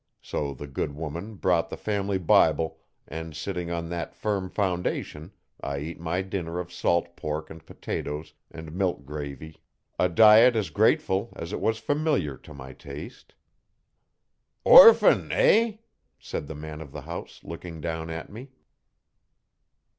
So the good woman brought the family Bible and sitting on that firm foundation I ate my dinner of salt pork and potatoes and milk gravy, a diet as grateful as it was familiar to my taste. 'Orphan, eh?' said the man of the house, looking down at me.